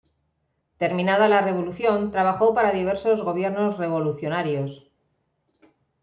Terminada la Revolución trabajó para diversos Gobiernos revolucionarios.